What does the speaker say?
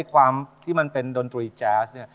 ความที่มันเป็นดนตรีแจ๊ส